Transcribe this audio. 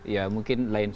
ya mungkin lain pun